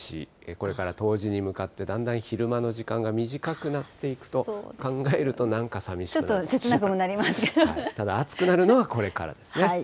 これから冬至に向かってだんだん昼間の時間が短くなっていくと考ちょっと切なくもなりますけただ、暑くなるのはこれからですね。